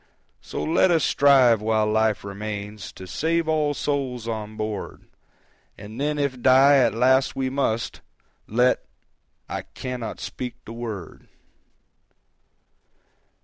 "So let us strive, while life remains, To save all souls on board, And then if die at last we must, Let .... I cannot speak the word!"